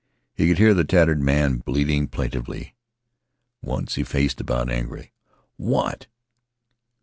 He could hear the tattered man bleating plaintively. Once he faced about angrily. "What?"